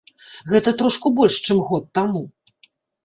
Гэта трошку больш, чым год таму.